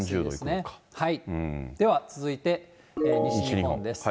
では続いて西日本です。